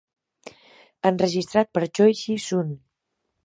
Enregistrat per Choi Gi Sun.